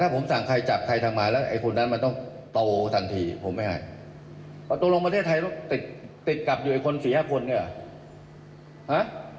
ประตูลงประเทศไทยติดกลับอยู่อีกคน๔๕คน